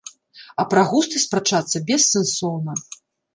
А пра густы спрачацца бессэнсоўна.